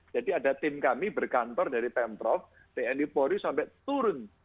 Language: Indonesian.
jadi ada tim kami berkantor dari pemprov tni polri sampai turun